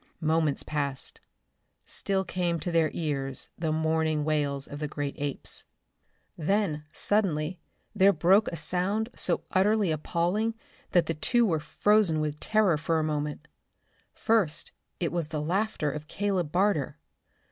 Moments passed. Still came to their ears the mourning wails of the great apes. Then suddenly there broke a sound so utterly appalling that the two were frozen with terror for a moment. First it was the laughter of Caleb Barter.